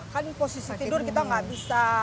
kan posisi tidur kita nggak bisa